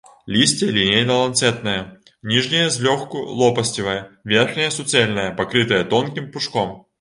Лісце лінейна-ланцэтнае, ніжняе злёгку лопасцевае, верхняе суцэльнае, пакрытае тонкім пушком.